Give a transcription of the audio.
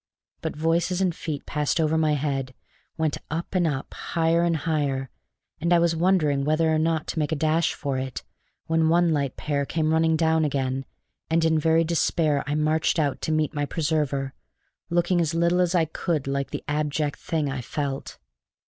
But voices and feet passed over my head, went up and up, higher and higher; and I was wondering whether or not to make a dash for it, when one light pair came running down again, and in very despair I marched out to meet my preserver, looking as little as I could like the abject thing I felt.